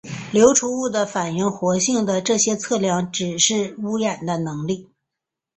流出物的反应活性的这些测量指示污染的能力。